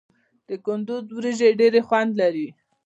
د کندز وریجې ډیر خوند لري.